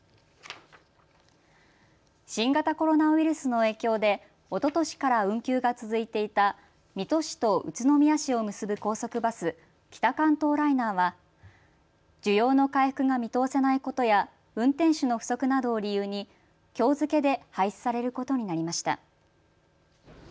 新型コロナウイルスの影響でおととしから運休が続いていた水戸市と宇都宮市を結ぶ高速バス、北関東ライナーは需要の回復が見通せないことや運転手の不足などを理由にきょう付けで廃止されることになりました。